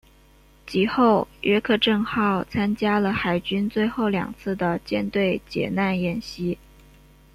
及后约克镇号参与了海军最后两次的舰队解难演习。